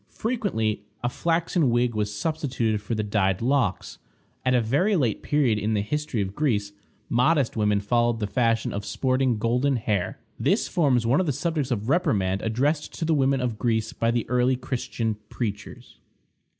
Frequently a flaxen wig was substituted for the dyed locks. At a very late period in the history of Greece, modest women followed the fashion of sporting golden hair. This forms one of the subjects of reprimand addressed to the women of Greece by the early Christian preachers.